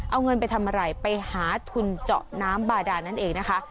เอาเงินไปทำอะไรไปหาทุนเจาะน้ำบาดานนั่นเองนะคะ